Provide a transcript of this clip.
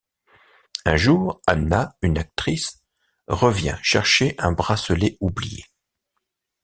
Un jour, Anna, une actrice, revient chercher un bracelet oublié.